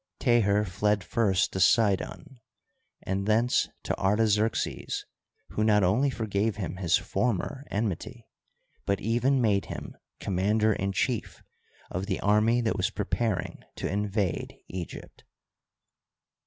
Teher fled first to Sidon and thence to Artaxerxes, who not only forgave him his former enmity, but even made him commander in chief of the army that was preparing to invade Egypt.